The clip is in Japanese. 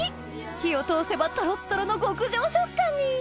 火を通せばトロットロの極上食感に！